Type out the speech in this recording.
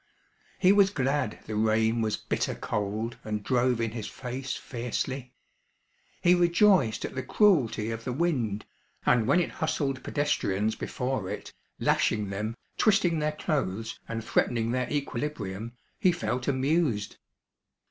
He was glad the rain was bitter cold and drove in his face fiercely. He rejoiced at the cruelty of the wind, and when it hustled pedestrians before it, lashing them, twisting their clothes, and threatening their equilibrium, he felt amused.